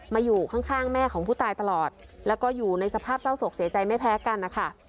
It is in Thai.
อยู่ข้างแม่ของผู้ตายตลอดแล้วก็อยู่ในสภาพเศร้าศกเสียใจไม่แพ้กันนะคะ